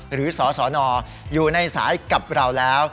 หรือสสนอยู่ในสายกับเราแล้ว